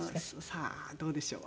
さあどうでしょう？